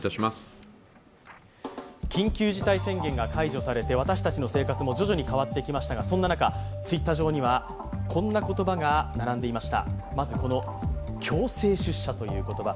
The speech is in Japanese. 緊急事態宣言が解除されて私たちの生活も徐々に変わってきましたが、そんな中、Ｔｗｉｔｔｅｒ上にはこんな言葉が並んでいました。